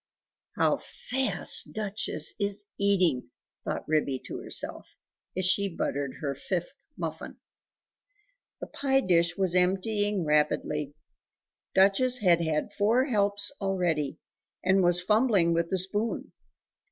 "How fast Duchess is eating!" thought Ribby to herself, as she buttered her fifth muffin. The pie dish was emptying rapidly! Duchess had had four helps already, and was fumbling with the spoon.